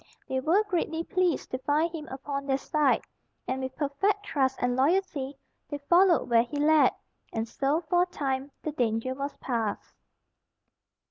They were greatly pleased to find him upon their side, and, with perfect trust and loyalty, they followed where he led; and so for a time the danger was past.